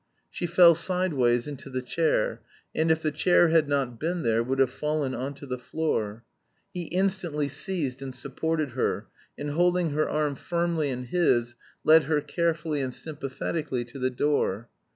She fell sideways into the chair, and if the chair had not been there would have fallen on to the floor. He instantly seized and supported her, and holding her arm firmly in his, led her carefully and sympathetically to the door.